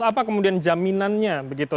apa kemudian jaminannya begitu